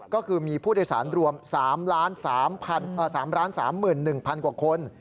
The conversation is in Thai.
ก็คือมีผู้โดยสารรวม๓๓๑๐๐กว่าคน